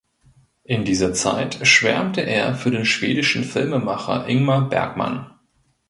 In dieser Zeit schwärmte er für den schwedischen Filmemacher Ingmar Bergman.